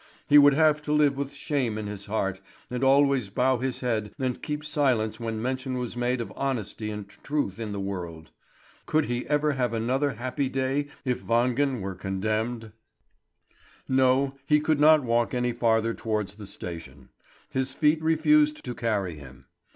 He would have to live with shame in his heart, and always bow his head and keep silence when mention was made of honesty and truth in the world. Could he ever have another happy day if Wangen were condemned? No, he could not walk any farther towards the station; his feet refused to carry him.